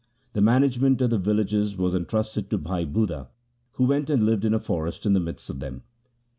The management of the villages was entrusted to Bhai Budha, who went and lived in a forest in the midst of them.